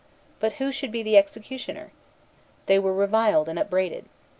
But who should be the executioner? They were reviled and upbraided.